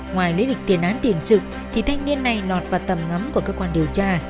ngoài lý lịch tiền án tiền sự thì thanh niên này lọt vào tầm ngắm của cơ quan điều tra